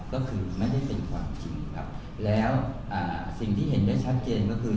ก็คือไม่ได้เป็นความจริงครับแล้วอ่าสิ่งที่เห็นได้ชัดเจนก็คือ